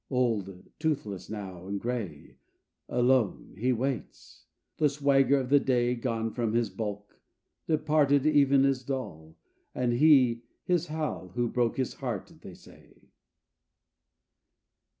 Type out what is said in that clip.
Old, toothless now, and gray, Alone he waits: the swagger of that day Gone from his bulk departed even as Doll, And he, his Hal, who broke his heart, they say.